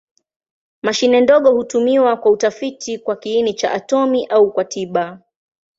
Mashine ndogo hutumiwa kwa utafiti kwa kiini cha atomi au kwa tiba.